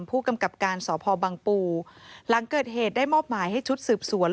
ผู้กำกับการสพบังปูหลังเกิดเหตุได้มอบหมายให้ชุดสืบสวน